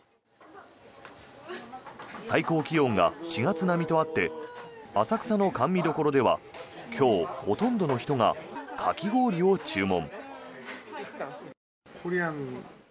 最高気温が４月並みとあって浅草の甘味処では今日、ほとんどの人がかき氷を注文。